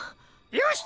よし！